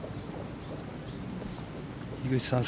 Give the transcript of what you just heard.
樋口さん